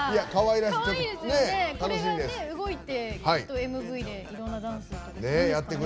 これが動いてきっとＭＶでいろんなダンスを。